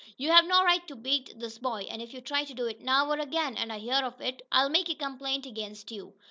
You have no right to beat this boy, and if you try to do it now, or again, and I hear of it, I'll make a complaint against you.